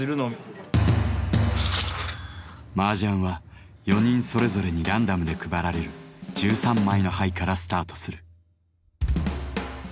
麻雀は４人それぞれにランダムで配られる１３枚の牌からスタートする。